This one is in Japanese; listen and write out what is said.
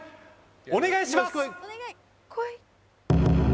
お願いします